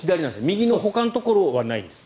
右のほかのところはないんですね。